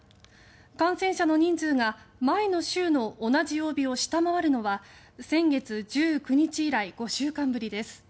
感染者の人数が、前の週の同じ曜日を下回るのは先月１９日以来５週間ぶりです。